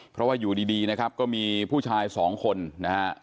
เพราะว่าอยู่ดีนะครับก็มีผู้ชายสองคนนะฮะ